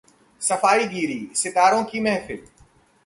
सफाईगीरीः सितारों की महफिल